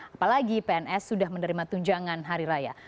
apalagi pns sudah menerima tunjangan hari raya